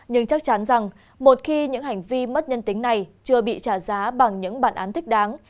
nhưng chắc chắn rằng một khi những hành vi mất nhân tính này chưa bị trả giá bằng những bản án thích đáng